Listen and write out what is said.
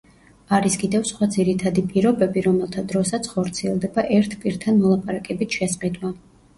არის კიდევ სხვა ძირითადი პირობები, რომელთა დროსაც ხორციელდება ერთ პირთან მოლაპარაკებით შესყიდვა.